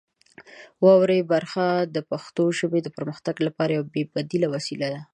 واورئ برخه د پښتو ژبې د پرمختګ لپاره یوه بې بدیله وسیله ده.